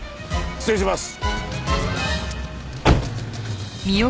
失礼します！